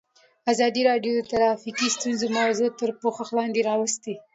ازادي راډیو د ټرافیکي ستونزې موضوع تر پوښښ لاندې راوستې.